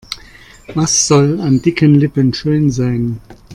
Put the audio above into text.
Was soll an dicken Lippen schön sein?